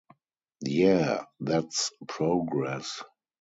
Yeah, that's progress.'.